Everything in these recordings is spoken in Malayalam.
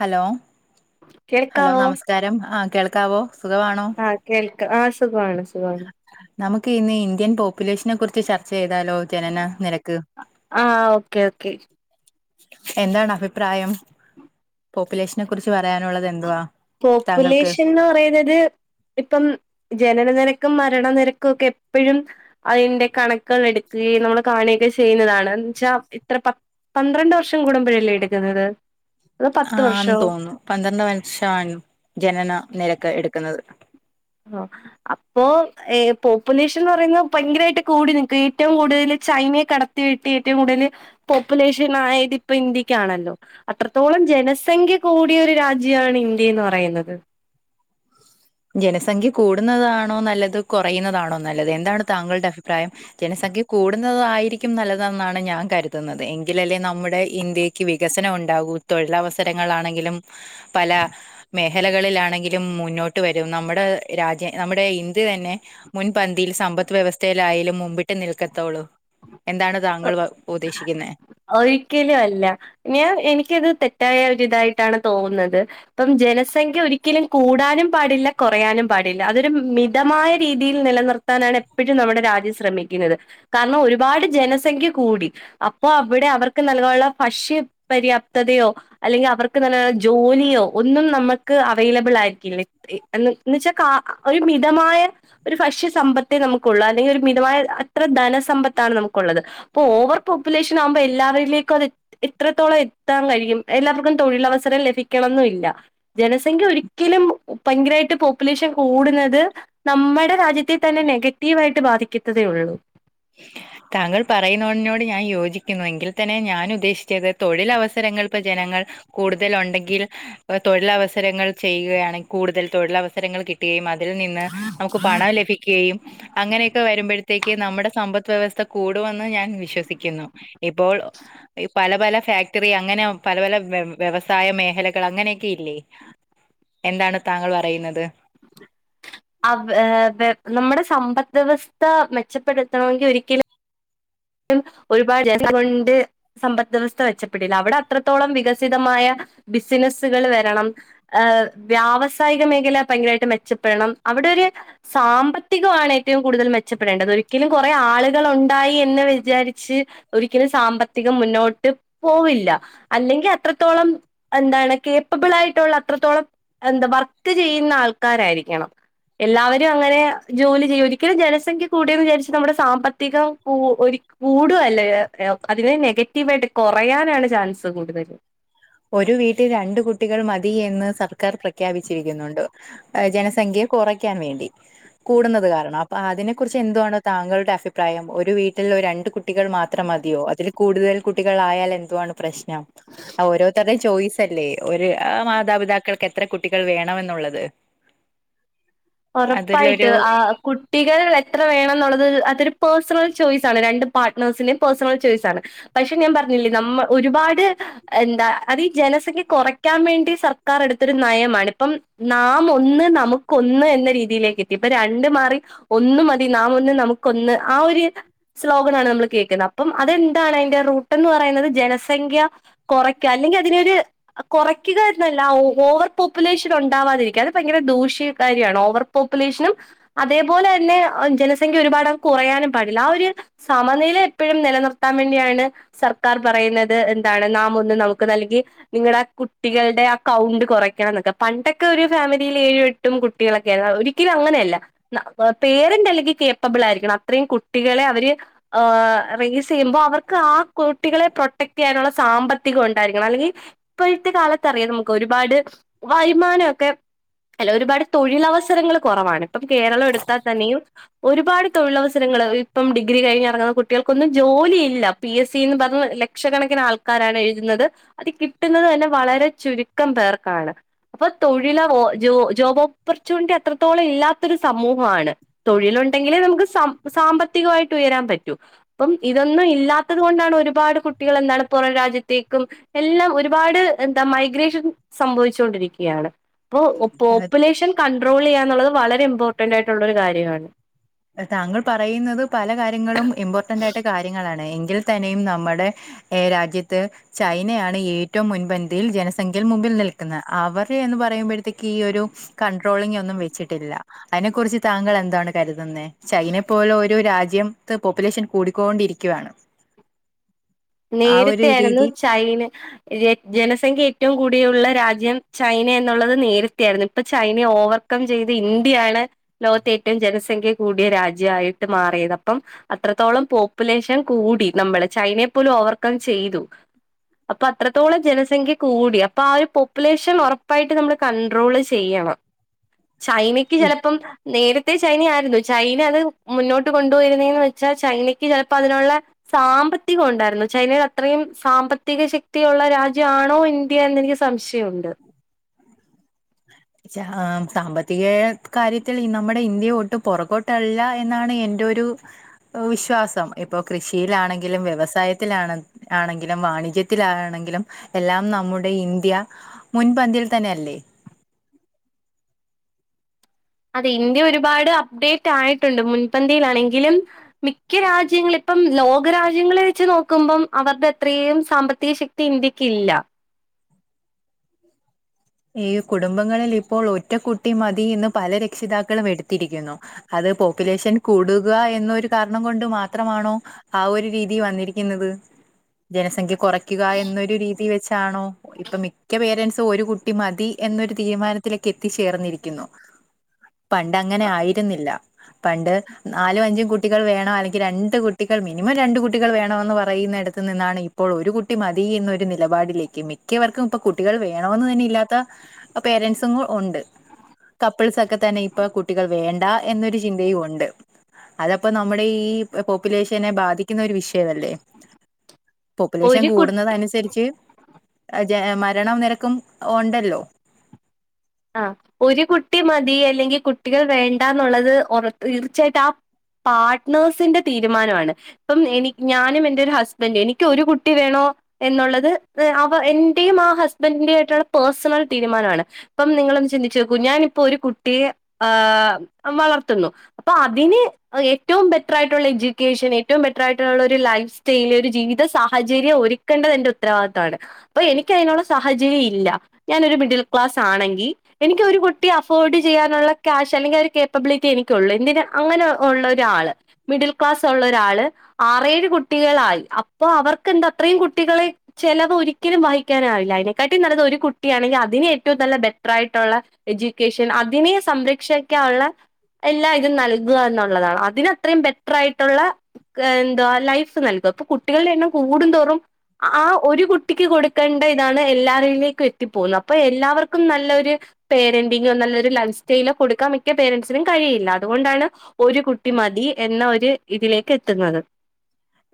ഹലോ ഹലോ കേൾക്കാവോ നമസ്കാരം ആഹ് കേൾക്കാവോ സുഖമാണോ ആഹ് കേൾക്കാ ആഹ് സുഖാണ് സുഖാണ് നമുക്കിന്ന് ഇന്ത്യൻ പോപ്പുലേഷനെ കുറിച്ച് ചർച്ചെയ്താലോ ജനന നിനക്ക് ആഹ് ഓക്കെ ഓക്കെ എന്താണ് അഭിപ്രായം പോപ്പുലേഷനെ കുറിച്ച് പറയാനുള്ളത് എന്തുവാ താങ്കൾക്ക് പോപ്പുലേഷൻ എന്ന് പറയുന്നത് ഇപ്പം ജനന നെരക്കും മരണ നെരക്കും ഒക്കെ എപ്പഴും അയിന്റെ കണക്കൾ എടുക് നമ്മൾ കാണുക്കെ ചെയ്യുന്നതാണ് ന്ന്ച്ചാൽ ഇത്ര പ പന്ത്രണ്ട് വർഷം കൂടുമ്പോഴല്ലേ എടുക്കുന്നത് അതോ പത്ത് ആന്ന് വർഷോ തോന്നുന്നു പന്ത്രണ്ട് വർഷണ് ജനന നെരക്ക് എടുക്കുന്നത് ആഹ് അപ്പോ പോപ്പുലേഷൻന്ന് പറയുന്നത് ഭയങ്കരമായിട്ട് കൂടി നിക്കും ഏറ്റവും കൂടുതൽ ചൈനയെ കട ടത്തി വെട്ടി ഏറ്റവും കൂടുതൽ പോപ്പുലേഷൻ ആയതിപ്പോ ഇന്ത്യക്കാണല്ലോ അത്രത്തോളം ജനസംഖ്യ കൂടിയൊരു രാജ്യണ് ഇന്ത്യ എന്ന് പറയുന്നത് ജനസംഖ്യ കൂടുന്നതാണോ നല്ലത് കുറയുന്നതാണോ നല്ലത് എന്താണ് താങ്കളുടെ അഭിപ്രായം ജനസംഖ്യ കൂടുത ടുന്നതായിരിക്കും നല്ലതെന്നാണ് ഞാൻ കരുതുന്നത് എങ്കിലല്ലേ നമ്മുടെ ഇന്ത്യക്ക് വികസനം ഉണ്ടാകൂ. തൊഴിലവസരങ്ങളാണെങ്കിലും പല മേഖലകളിലാണെങ്കിലും മുന്നോട്ട് ട്ട് വരും നമ്മുടെ രാജ്യം നമ്മുടെ ഇന്ത്യ തന്നെ. മുൻപന്തിയിൽ സമ്പദ് വ്യവസ്ഥയിലായാലും മുമ്പിട്ട് നിൽക്കത്തുള്ളൂ എന്താണ് താങ്കൾ ഉദ്ദേശിക്കുന്നേ ഒരിക്കലും അല്ല ഞാൻ എനിക്കത് തെറ്റായ ഒരിതായിട്ടാണ് തോന്നുന്നത്. അപ്പം ജനസംഖ്യ ഒരിക്കലും കൂടാനും പാടില്ല കൊറയാനും പാടില്ല അതൊരു മിതമായ രീതിയിൽ നിലനിർത്ത ത്താനാണ് എപ്പഴും നമ്മുടെ രാജ്യം ശ്രമിക്കുന്നത് കാരണം ഒരുപാട് ജനസംഖ്യ കൂടി. അപ്പൊ അവിടെ അവർക്ക് നൽകാനുള്ള ഭക്ഷ്യ പര്യാപ്തതയോ അല്ലെങ്കിൽ അവർക്ക് നല്ല ജോലിയോ ഒന്നും നമ്മക്ക് അവൈലബിൾ ആയിരിക്കില്ലേ എന്ന് വച്ചാൽ കാ ഒരു മിതമായ ഒരു ഭക്ഷ്യ സമ്പത്തേ നമുക്കുള്ളൂ അല്ലെങ്കിൽ ഒരു മിതമായ അത്ര ധനസമ്പത്താണ് നമുക്കുള്ളത് അപ്പൊ ഓവർ പോപ്പുലേഷൻ ആവുമ്പോ എല്ലാവരിലേക്കും അത് ഇത്രത്തോളം എത്താൻ കഴിയും എല്ലാവർക്കും തൊഴിലവസരം ലഭിക്കണംന്നുംല്ല. ജനസംഖ്യ ഒരിക്കലും ഭയങ്കരമായിട്ട് പോപ്പുലേഷൻ കൂടുന്നത് നമ്മടെ രാജ്യത്തെ തന്നെ നെഗറ്റീവായിട്ട് ബാധിക്കത്തതേ ഉള്ളൂ. താങ്കൾ പറയുന്നിനോട് ഞാൻ യോജിക്കുന്നു എങ്കിൽ തന്നെ ഞാൻ ഉദ്ദേശിച്ചത് തൊഴിലവസരങ്ങൾപ്പ ജനങ്ങൾ കൂടുതൽ ഉണ്ടെങ്കിൽ തൊഴിലവസരങ്ങൾ ചെയ്യുകയാണെ കൂടുതൽ തൊഴിലവസരങ്ങൾ കിട്ടുകയും അ അതിൽ നിന്ന് നമുക്ക് പണം ലഭിക്കുകയും അങ്ങനെയൊക്കെ വരുമ്പോഴത്തേക്ക് നമ്മുടെ സമ്പത്ത് വ്യവസ്ഥ കൂടുമെന്ന് ഞാൻ വിശ്വസിക്കുന്നു. ഇപ്പോൾ പല പല ഫാ ക്റ്ററി അങ്ങനെ പല പല വ വ്യവസായ മേഖലകൾ അങ്ങനെയൊക്കെ ഇല്ലേ എന്താണ് താങ്കൾ പറയുന്നത് നമ്മുടെ സമ്പത്ത് വ്യവസ്ഥ മെച്ചപ്പെടുത്തണമെങ്കി ഒരിക്കലും ഒരുപാട് ജന സംഖ്യ കൊണ്ട് സമ്പത് വ്യവസ്ഥ മെച്ചപ്പെടില്ല അവിടെ അത്രത്തോളം വികസിതമായ ബിസിനസുകൾ വരണം ഏഹ് വ്യാവസായിക മേഖല ഭയങ്കരമായിട്ട് മെച്ചപ്പെടണം അവിടെരു സാമ്പത്തികമാണ് ഏറ്റവും കൂടുതൽ മെച്ചപ്പെടേണ്ടത് ഒരിക്കലും കുറെ ആളുകൾ ഉണ്ടായി എന്ന് വിചാരിച്ച് ഒരിക്കലും സാമ്പത്തികം മുന്നോട്ട് പോവില്ല അല്ലെങ്കി അത്രത്തോളം എന്താണ് കേപ്പബിൾ ആയിട്ടുള്ള അത്രത്തോളം എന്താ വർക്ക് ചെയ്യുന്ന ആൾക്കാരായിരിക്കണം എല്ലാവരും അങ്ങനെ ജോലി ചെയ്യും ഒരിക്കലും ജനസംഖ്യ കൂടിയെന്ന് വിചാരിച്ച് നമ്മുടെ സാമ്പത്തികം കൂ ഒരി കൂടുവല്ല അതിനെ നെഗറ്റീവായിട്ട് കുറയാനാണ് ചാൻസ് കൂടുതല് ഒരു വീട്ടിൽ രണ്ട് കുട്ടികൾ മതി എന്ന് സർക്കാർ പ്രഖ്യാപിച്ചിരിക്കുന്നുണ്ട് ജനസംഖ്യ കുറയ്ക്കാൻ വേണ്ടി കൂടുന്നത് കാരണം അപ്പൊ അതിനെ കുറിച്ച് എന്തുവാണോ താങ്കളുടെ അഫിപ്രായം ഒരു വീട്ടിൽ ഒരു രണ്ട് കുട്ടി കുട്ടികൾ മാത്രം മതിയോ അതിൽ കൂടുതൽ കുട്ടികൾ ആയാൽ എന്തുവാണ് പ്രശ്നം ഓരോ ചോയ്സ് അല്ലേ ഒരു മാതാപിതാക്കൾക്ക് എത്ര കുട്ടികൾ വേണെമെന്നുള്ളത് ഉറപ്പായിട്ടും ആ കുട്ടികൾ എത്ര വേണംന്നുള്ളത് അതൊരു പേഴ്സണൽ ചോയ്സാണ് രണ്ട് പാർട്ണർസിന്റെ പേഴ്സണൽ ചോയ്സ് ആണ് പക്ഷെ ഞാൻ പറഞ്ഞില്ലേ നമ്മ ഒരുപാട് എന്താ അതീ ഈ ജനസംഖ്യ കുറയ്ക്കാവേണ്ടി സർക്കാർ എടുത്തൊരു നയമാണ് ഇപ്പം നാം ഒന്ന് നമുക്കോന്ന് ന്ന രീതിയിലേക്ക് എത്തി ഇപ്പൊ രണ്ട് മാറി ഒന്ന് മതി നാം ഒന്ന് നമുക്കൊന്ന് ആ ഒരു ശ്ലോകനാണ് നമ്മള് കേൾക്കുന്നെ അപ്പം അതെന്താണ് അതിന്റെ റൂട്ടെന്ന് പറയുന്നത് ജനസംഖ്യ കുറയ്ക്ക്യ അല്ലെങ്കി അതിനൊരു കുറയ്ക്കുകന്നല്ല ഓ ഓവർ പോപ്പുലേഷൻ ഉണ്ടാവാതിരിക്ക്യ അത് ഭയങ്കര ദൂഷ്യകാര്യാണോ ഓവർ പോപ്പുലേഷനും അതേപോലെന്നെ ജനസംഖ്യ ഒരുപാട് കുറയാനും പാടില്ല ആ ഒരു സമനില എപ്പഴും നിലനിർത്താൻ വേണ്ടിയാണ് സർക്കാർ പറയുന്നത് എന്താണ് നാം ഒന്ന് നമുക്കോ നല്ലങ്കി നിങ്ങടെ ആ കുട്ടികളുടെ അക്കൗണ്ട് കുറയ്ക്കണംന്നൊക്കെ പണ്ടൊക്കെ ഒരു ഫാമിലീല് ഏഴും എട്ടും കുട്ടികളൊ ഒരിക്കലും അങ്ങനെയല്ല പേരന്റ് അല്ലെങ്കി കേപ്പബിൾ ആയിരിക്കണം അത്രയും കുട്ടികളെ അവര് ആ റേസെയ്യുമ്പോ അവർക്ക് ആ കുട്ടികളെ പ്രൊട്ടക്ട്യ്യാനുള്ള സാമ്പത്തികംണ്ടായിരിക്കണം അല്ലെങ്കി ഇപ്പോഴത്തെ കാലത്ത് അറിയാം നമുക്ക് ഒരുപാട് വരുമാനക്കെ അല്ല ഒരുപാട് തൊഴിലവസരങ്ങള് കുറവാണ് ഇപ്പം കേരളം എടുത്താതന്നെയും ഒരുപാട് തൊഴിലവസരങ്ങള് ഇപ്പം ഡിഗ്രി കഴിഞ്ഞിറങ്ങുന്ന കുട്ടികൾക്കൊന്നും ജോലിയില്ല പി എസ് സിന്ന് പറഞ്ഞ് ലക്ഷക്കണക്കിന് ആൾക്കാരാണ് എഴുതുന്നത് അത് കിട്ടുന്നത് തന്നെ വളരെ ചുരുക്കം പേർക്കാണ് അപ്പൊ തൊഴിലോ ഓ ജോ ജോബ് ഓപ്പർച്യൂണിറ്റി അത്രത്തോളം ഇല്ലാത്തൊരു സമൂഹാണ് തൊഴിലുണ്ടെങ്കിലേ നമുക്ക് സാം സാമ്പത്തികായിട്ട് ഉയരാൻ പറ്റൂ അപ്പം ഇതൊന്നും ഇല്ലാത്തത് കൊണ്ടാണ് ഒരുപാട് കുട്ടികള് എന്താണ് പുറം രാജ്യത്തേക്കും എല്ലാം ഒരുപാട് എന്താ മൈഗ്രേഷൻസ്‌ സംഭവിചൊ ണ്ടിരിക്ക്യാണ് അപ്പോ പോപ്പുലേഷൻ കൺട്രോളെയ്യാന്നുള്ളത് വളരെ ഇമ്പോർട്ടന്റ് ആയിട്ടുള്ളൊ ഒരു കാര്യാണ് താങ്കൾ പറയുന്നത് പല കാര്യങ്ങളും ഇമ്പോർട്ടന്റായിട്ട് കാര്യങ്ങളാണ് എങ്കിൽ തന്നെയും നമ്മടെ ഏ രാജ്യത്ത് ചൈനയാണ് ഏറ്റവും മുൻപന്തിയിൽ ജനസംഖ്യയിൽ മുമ്പിൽ നിൽക്കുന്നത് അവര് എന്ന് പറയുമ്പോഴത്തേക്ക് ഈ ഒരു കൺട്രോളിംങ്ങൊന്നും വെച്ചിട്ടില്ല അയ്നെ കുറിച്ച് താങ്കൾ എന്താണ് കരുതു തുന്നെ ചൈനയെ പോലെ ഓരോ രാജ്യത്ത് പോപ്പുലേഷൻ കൂടിക്കോണ്ടിരിക്കുയാണ് നേരത്തെയായിരുന്നു ചൈന ജെ ജനസംഖ്യ ഏറ്റവും കൂടിയുള്ള രാജ്യം ചൈന എന്നുള്ളത് നേരത്തെ ആയിരുന്നു ഇപ്പൊ ചൈന ഓവർ വർക്കം ചെയ്ത് ഇന്ത്യയാണ് ലോകത്തെ ഏറ്റവും ജനസംഖ്യ കൂടിയ രാജ്യായിട്ട് മാറിയത് അപ്പം അത്രത്തോളം പോപ്പുലേഷൻ കൂടി നമ്മള് ചൈനയെപ്പോലും ഓവർകം ചെയ്തു അപ്പൊ അത്രത്തോളം ജനസംഖ്യ കൂടി അപ്പൊ ആ ഒരു പോപ്പുലേഷൻ ഉറപ്പായിട്ട് നമ്മടെ കണ്ട്രോള് ചെയ്യണം ചൈനക്ക് ചെലപ്പം നേരെ ത്തെ ചൈന ആയിരുന്നു ചൈന അത് മുന്നോട്ട് കൊണ്ടുപോയിരുന്നേന്നു വെച്ചാ ചൈനയ്ക്ക് ചെലപ്പോ അതിനുള്ള സാമ്പത്തികം ഉണ്ട രുന്നു ചൈനയുടെ അത്രയും സാമ്പത്തിക ശക്തിയുള്ള രാജ്യാണോ ഇന്ത്യന്ന് എനിക്ക് സംശയൊണ്ട് ആ സാമ്പത്തികെ കാര്യത്തിൽ ഈ നമ്മുടെ ഇന്ത്യ ഒട്ട് പുറകോട്ടല്ല എന്നാണ് എന്റെ ഒരു വിശ്വാസം ഇപ്പൊ കൃഷിയിലാണെങ്കിലും വ്യവസായത്തിലാണ ണെങ്കിലും വാണിജ്യത്തിലാണെങ്കിലും എല്ലാം നമ്മുടെ ഇന്ത്യ മുൻപന്തിയിൽ തന്നെ അല്ലേ അതെ ഇന്ത്യ ഒരുപാട് അപ്ഡേറ്റ് ആയിട്ടുണ്ട് മുൻപന്തിയിലാണെങ്കിലും മിക്ക രാജ്യങ്ങളിപ്പം ലോകരാജ്യങ്ങളെ വെച്ച് നോക്കുമ്പം അവരുടെ അത്രയും സാമ്പത്തിക ശക്തി ഇപ്പൊ ഇന്ത്യക്കില്ല ഈ കുടുംബങ്ങളിൽ ഇപ്പോൾ ഒറ്റക്കുട്ടി മതി എന്ന് പല രക്ഷിതാക്കളും എടുത്തിരിക്കുന്നു അതെ പോപ്പുലേഷൻ കൂടുക എന്നൊരു കാരണം കൊണ്ട് മാത്രമാണോ ആ ഒരു രീതി വന്നിരിക്കുന്നത് ജനസംഖ്യ കുറയ്ക്കുക എന്നൊരു രീതി വെച്ചാണോ ഇപ്പൊ മിക്ക പേരന്റ്സും ഒരു കുട്ടി കുട്ടി മതി എന്നൊരു തീരുമാനത്തിലേക്ക് എത്തിച്ചേർന്നിരിക്കുന്നു പണ്ടങ്ങനെ ആയിരുന്നില്ല പണ്ട് നാലും അഞ്ചും കുട്ടികൾ വേണം അല്ലെങ്കിൽ രണ്ട് കുട്ടികൾ മിനിമം രണ്ട് കുട്ടികൾ വേണമെന്ന് പറയുന്നിടത്ത് നിന്നാണ് ഇ ഇപ്പോൾ ഒരു കുട്ടി മതി എന്നൊരു നിലപാടിലേക്ക് മിക്കവർക്കും ഇപ്പൊ കുട്ടികൾ വേണമെന്ന് തന്നെ ഇല്ലാത്ത പേരന്റ്സും ഉണ്ട് കപ്പിൾസൊക്കെ തന്നെ ഇപ്പ കുട്ടികൾ വേണ്ട എന്നൊരു ചിന്തയും ഉണ്ട് അതപ്പൊ നമ്മുടെ ഈ പോപ്പുലേഷനെ ബാധിക്കുന്ന ഒരു വിഷയമല്ലേ പോപ്പുലേഷൻ ഒരു കുട്ടി കൂടുന്നതനുസരിച്ച് മരണ നിരക്കും ഒണ്ടല്ലോ ആ ഒരു കുട്ടി മതി അല്ലെങ്കിൽ കുട്ടികൾ വേണ്ടന്നുള്ളത് ഉറ തീർച്ചയായിട്ടും ആഹ് പാർട്ട്നേഴ്സിന്റെ തീരുമാനമാണ് ഇപ്പം എനി ഞാനും എന്റെ ഒരു ഹസ്ബൻഡും എനിക്ക് ഒരു കുട്ടി വേണോ എന്നുള്ളത് അവ എന്റെയും ആ ഹസ്ബന്റെയും ആയിട്ടുള്ള പേഴ്സണൽ തീരുമാനമാണ് ഇപ്പം നിങ്ങളൊന്ന് ചിന്തിച്ചു നോക്കൂ ഞാനിപ്പൊ ഒരു കുട്ടിയെ ആഹ് വളർത്തുന്നു അപ്പൊ അതിന് ഏറ്റവും ബെറ്റർ ആയിട്ടുള്ള എഡ്യൂക്കേഷൻ ഏറ്റവും ബെറ്ററായിട്ടുള്ള ഒരു ലൈഫ് സ്റ്റൈൽ ഒരു ജീവിത സാഹചര്യം ഒരുക്കേണ്ടത് എന്റെ ഉത്തരവാദിത്തമാണ് അപ്പൊ എനിക്ക് അതിനുള്ള സാഹചര്യം ഇല്ല ഞാനൊരു മിഡിൽ ക്ലാസ് ആണെങ്കിൽ എനിക്കൊരു കുട്ടിയെ അഫോർഡ് ചെയ്യാനുള്ള ക്യാഷ് അല്ലെങ്കിൽ ഒരു കേപ്പബിലിറ്റി എനിക്കുള്ളു എന്തിന് അങ്ങനെ ഉള്ള ഒരാള് മിഡിൽ ക്ലാസ് ഉള്ള ഒരാള് ആറേഴ് കുട്ടികളായി അപ്പൊ അവർക്കെന്താ അത്രയും കുട്ടികളെ ചെലവ് ഒരിക്കലും വഹിക്കാനാവില്ല അതിനെക്കാട്ടിം നല്ലത് ഒരു കുട്ടിയാണെങ്കിൽ അതിനെ ഏറ്റവും നല്ല ബെറ്റർ ആയിട്ടുള്ള എഡ്യൂക്കേഷൻ അതിനെ സംരക്ഷിക്കാനുള്ള എല്ലാ ഇതും നൽകുക എന്നുള്ളതാണ് അതിനത്രയും ബെറ്റർ ആയിട്ടുള്ള എന്താ ലൈഫ് നൽക അപ്പൊ കുട്ടികളുടെ എണ്ണം കൂടും തോറും ആ ഒരു കുട്ടിക്ക് കൊടുക്കേണ്ട ഇതാണ് എല്ലാരിലേക്കും എത്തിപ്പോകുന്നത് അപ്പൊ എല്ലാ എല്ലാവർക്കും നല്ലൊരു പേരന്റിങ്ങോ നല്ലൊരു ലൈഫ് സ്റ്റൈലോ കൊടുക്കാൻ മിക്ക പേരന്റ്സിനും കഴിയില്ല അതുകൊണ്ടാണ് ഒരു കുട്ടി മതി എന്ന ഒരു ഇതിലേക്ക് എത്തുന്നത്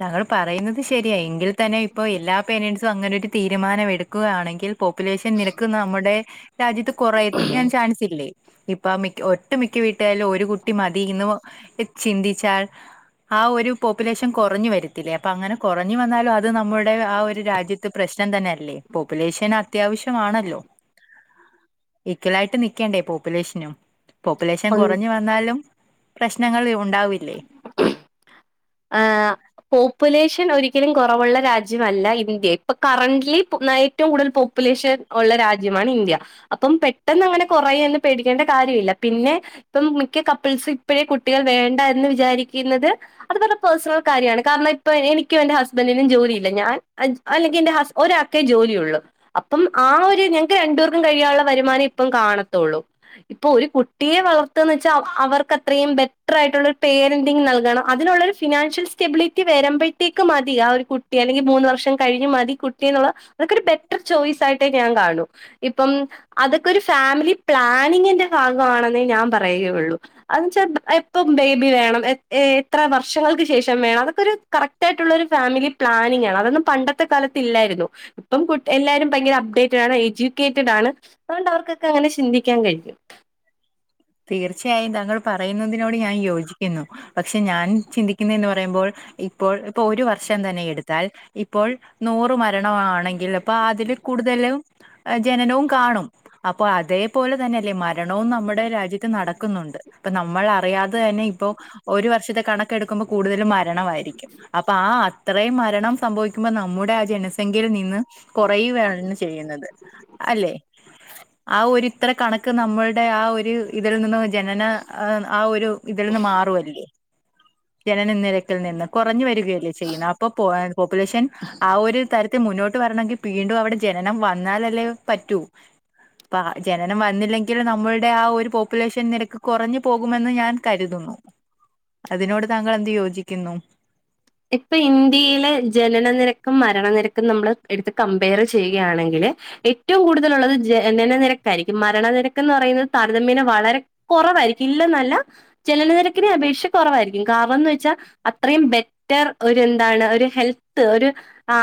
താങ്കൾ പറയുന്നത് ശരിയാ എങ്കിൽ തന്നെ ഇപ്പൊ എല്ലാ പേരന്റ്സും അങ്ങനെ ഒരു തീരുമാനം എടുക്കുകയാണെങ്കിൽ പോപ്പുലേഷൻ നിരക്ക് നമ്മുടെ രാജ്യത്ത് കുറയ്ക്കാൻ ചാൻസ് ഇല്ലേ ഇപ്പ മിക്ക ഒട്ടു മിക്ക വീട്ടായാലും ഒരു കുട്ടി മതി എന്ന് ചിന്തിച്ചാൽ ആ ഒരു പോപ്പുലേഷൻ കുറഞ്ഞു വരത്തില്ലേ അപ്പൊ അങ്ങനെ കുറഞ്ഞു വന്നാലും അത് നമ്മുടെ ആ ഒരു രാജ്യത്ത് പ്രശ്നം തന്നെ അല്ലേ പോപ്പുലേഷൻ അത്യാവശ്യമാണല്ലോ ഈക്വലായിട്ട് നിക്കേണ്ടേ പോപ്പുലേഷനും പോപ്പുലേഷൻ ഒന്ന് കുറഞ്ഞു വന്നാലും പ്രശ്നങ്ങൾ ഉണ്ടാവില്ലേ ആഹ് പോപ്പുലേഷൻ ഒരിക്കലും കുറവുള്ള രാജ്യമല്ല ഇന്ത്യ ഇപ്പൊ കറന്റ്ലി ഏറ്റവും കൂടുതൽ പോപ്പുലേഷൻ ഉള്ള രാജ്യമാണ് ഇന്ത്യ അപ്പം പെട്ടെന്ന് അങ്ങനെ കുറയും എന്ന് പേടിക്കേണ്ട കാര്യമില്ല പിന്നെ ഇപ്പം മിക്ക കപ്പിൾസ് ഇപ്പോഴേ കുട്ടികൾ വേണ്ട എന്ന് വിചാരിക്കുന്നത്. അത്ഒക്കെ പേഴ്സണൽ കാര്യമാണ് കാരണംപ്പോൾ എനിക്കും എന്റെ ഹസ്ബൻഡിനും ജോലിയില്ല ഞാൻ അല്ലെങ്കിൽഎന്റെ ഹസ് ഒരാക്കെ ജോലി ഒള്ളൂ. അപ്പം ആഹ് ഒരു ഞങ്ങക്ക് രണ്ട് പെർക്കും കഴിയാനുള്ള വരുമാനം ഇപ്പം കാണത്തുള്ളൂ. ഇപ്പൊ ഒരു കുട്ടിയെ വളർത്തന്ന് വെച്ചാ അവർക്ക് അത്രയും ബെറ്റർ ആയിട്ടുള്ള ഒരു പേരന്റിങ് നൽകണം. അതിനുള്ളൊരു ഫിനാൻഷ്യൽ സ്റ്റെബിലിറ്റി വരുമ്പോഴത്തേക്ക് മതി ആഹ് ഒരു കുട്ടി അല്ലെങ്കിൽ മൂന്ന് വർഷം കഴിഞ്ഞ് മതി കുട്ടി എന്നുള്ള. അതൊക്കൊരു ബെറ്റർ ചോയ്സ് ആയിട്ടെ ഞാൻ കാണു. ഇപ്പം അതൊക്കെ ഒരു ഫാമിലി പ്ലാനിങ്ങിന്റെ ഭാഗമാണെന്നേ ഞാൻ പറയുകയുള്ളൂ അതെന്ന് വെച്ചാൽ എപ്പം ബേബി വേണം ഇത്ര വർഷങ്ങൾക്ക് ശേഷം വേണം അതൊക്കെ ഒരു കറക്റ്റ് ആയിട്ടുള്ള ഒരു ഫാമിലി പ്ലാനിങ് ആണ് അതൊന്നും പണ്ടത്തെ കാലത്ത് ഇല്ലായിരുന്നു. ഇപ്പം കു എല്ലാവാരും ഭയങ്കര അപ്ഡേറ്റഡ് ആണ് എഡ്യൂക്കേറ്റഡ് ആണ്. അതുകൊണ്ട് അവർക്കൊക്കെ അങ്ങനെ ചിന്തിക്കാൻ കഴിയും. തീർച്ചയായും താങ്കൾ പറയുന്നതിനോട് ഞാൻ യോജിക്ക ക്കുന്നു പക്ഷെ ഞാൻ ചിന്തിക്കുന്നത് എന്ന് പറയുമ്പോൾ ഇപ്പോൾ ഇപ്പൊ ഒരു വർഷം തന്നെ എടുത്താൽ. ഇപ്പോൾ നൂറ് മരണമാണെങ്കിൽ അപ്പൊ അതില് കൂടുതലും. ജനനവും കാണും അപ്പൊ അതേപോലെ തന്നെ അല്ലേ മരണവും നമ്മുടെ രാജ്യ ത്ത് നടക്കുന്നുണ്ട് ഇപ്പ നമ്മൾ അറിയാതെ തന്നെ ഇപ്പോ ഒരു വർഷത്തെ കണ ക്ക് എടുക്കുമ്പോ കൂടുതലും മരണമായിരിക്കും അപ്പൊ ആഹ്. ഇത്രയും മരണം സംഭവിക്കുമ്പോൾ നമ്മുടെ ആഹ് ജനസംഖ്യയിയില് നിന്ന് കുറയുകയാണ് ചെയ്യുന്നത്. അല്ലെ ആഹ് ഒരിത്ര കണക്ക് നമ്മളുടെ ആഹ് ഒരു. ഇതിൽ നിന്ന് ജനന ആഹ് ഒരു ഇതിൽ നിന്ന് മാറുവല്ലേ. ജനന നിരക്കിൽ നിന്ന് കുറഞ്ഞു വരികയല്ലേ ചെയ്യണേ അപ്പൊ പോ പോപ്പുലേഷൻ. ആഹ് ഒരു തരത്തിൽ മുന്നോട്ട് വരണമെങ്കിൽ വീണ്ടും അവിടെ ജനനം വന്നാലല്ലേ പറ്റൂ. അപ്പ ജനനം വന്നില്ലെങ്കിൽ നമ്മളുടെ ആഹ് ഒരുപോ പോപ്പുലേഷൻ നിരക്ക് കുറഞ്ഞു പോകുമെന്ന് ഞാൻ കരുതുന്നു. അതിനോട് താങ്കൾ എന്ത് യോജിക്കുന്നു. ഇപ്പൊ ഇന്ത്യയിലെ ജനന നിരക്കും മരണനിരക്കും നമ്മള് എടുത്ത് കമ്പയർ ചെയ്യുകയാണെങ്കില്. ഏറ്റവും കൂടുതലുള്ളത് ജനനനിരക്ക ആയിരിക്കും മരണനിരക്ക് എന്ന് പറയുന്നത് താരതമ്യന വളരെ. കൊറവായിരിക്കും ഇല്ലന്നല്ല. ജനനനിരക്കിന് അപേക്ഷിച്ച് കുറവായിരിക്കും കാരണംന്ന് വെച്ചാൽ അത്രയും ബെ റ്റർ ഒരു എന്താണ് ഒരു ഹെൽത്ത് ഒരു.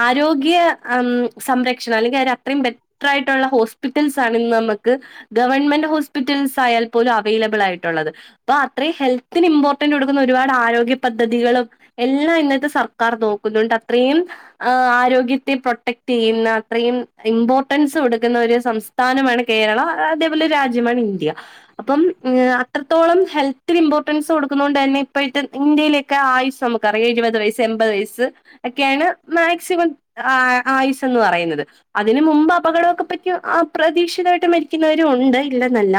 ആരോഗ്യ ഉം സംരക്ഷണം അല്ലെങ്കിൽ അവര് അത്രയും ബെ റ്ററായിട്ടുള്ള ഹോസ്പിറ്റൽസ് ആണ് ഇന്ന് നമുക്ക്. ഗവൺമെന്റ് ഹോസ്പിറ്റൽസ് ആയാൽ പോലും അവൈലബിൾ ആയിട്ടുള്ളത്. അപ്പൊ അത്രയും ഹെൽത്തിന് ഇമ്പോർട്ടന്റ് കൊടുക്കുന്ന ഒരുപാട് ആരോഗ്യ പദ്ധതികളും. എല്ലാം ഇന്നത്തെ സർക്കാർ നോക്കുന്നുണ്ട് അത്രയും. ആഹ് ആരോഗ്യത്തെ പ്രൊട്ടക്ട് ചെയ്യുന്ന അത്രയും ഇമ്പോർട്ടൻസ് കൊടുക്കുന്ന ഒരു സംസ്ഥ സ്ഥാനമാണ് കേരളം അതേപോലെ ഒരു രാജ്യമാണ് ഇന്ത്യ അപ്പം അത്ര അത്രത്തോളം ഹെൽത്തിന് ഇമ്പോർട്ടൻസ് കൊക്കുന്നുന്നത് കൊണ്ട് തന്നെ ഇപ്പോഴത്തെ ഇന്ത്യയിലൊക്കെ ആയിസ് നമുക്ക്. എഴുപത് വയസ് എൺപത് വയസ്സ് ഒക്കെയാണ് മാക്സിമം ആ ആയുസ് എന്ന് പറയുന്നത്. അതിന് മുമ്പ് അപകടമൊക്കെ പറ്റി അപ്രതീക്ഷിതായിട്ട് മരിക്കുന്നവരും ഉണ്ട് ഇല്ലെന്നല്ല.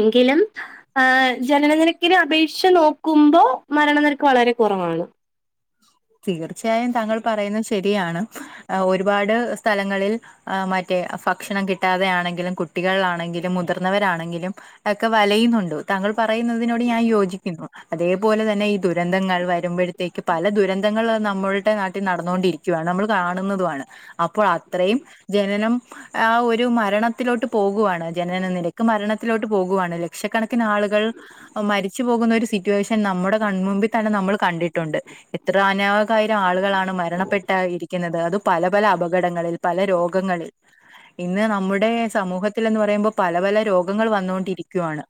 എങ്കിലും. ആഹ് ജനനനിരക്കിന് അപേക്ഷിച്ച് നോക്കുമ്പോ മരണനിരക്ക് വളരെ കുറവാണ്. തീർച്ചയായും താങ്കൾ പറയുന്നത് ശരിയാണ് ഒരുപാട് സ്ഥലങ്ങളിൽ. ആഹ് മറ്റേ ഭക്ഷണം കിട്ടാതെ ആണെങ്കിലും കുട്ടികളാണെങ്കിലും മുതിർന്നവരാണെങ്കിലും. ഒക്കെ വലയുന്നുണ്ട് താങ്കൾ പറയുന്നതിനോട് ഞാൻ യോജിക്കുന്നു അതേപോലെ തന്നെ ഈ ദുരന്തങ്ങൾ. വരുമ്പോഴത്തേക്ക് പല ദുരന്തങ്ങൾ നമ്മളുടെ നാട്ടിൽ നടന്നുകൊണ്ടിരിക്കുവയാണ് നമ്മൾ കാണുന്നതുമാണ്. അപ്പോൾ അത്രയും ജനനം. ആഹ് ഒരു മരണത്തിലോട്ട് പോകുവയാണ് ജനനനിലക്ക് മരണത്തിലോട്ട് പോകുവാണ് ലക്ഷക്കണക്കിന് ആളുകൾ. ഇപ്പ മരിച്ചു പോകുന്ന ഒരു സിറ്റുവേഷൻ നമ്മുടെ കൺ മുമ്പിൽ തന്നെ നമ്മൾ കണ്ടിട്ടുണ്ട്. ത്ര അനാകായിരം ആളുകളാണ് മരണപ്പെട്ട് ഇരിക്കുന്നത് അത് പല പല അപകടങ്ങളിൽ പല രോഗങ്ങളിൽ ഇന്ന് നമ്മുടെ സമൂഹത്തിലെന്ന് പറയുമ്പോൾ പല പല രോഗങ്ങൾ വന്ന്കൊണ്ടിരിക്കുവാണ്